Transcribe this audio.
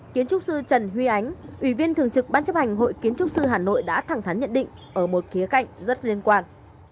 kiến trúc sư trần huy ánh viên thường trực ban chấp hành hội kiến trúc sư hà nội đã thẳng thắn nhận định ở một khía cạnh rất liên quan